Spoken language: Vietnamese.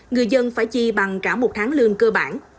người dân phải chi bằng cả một tháng lương cơ bản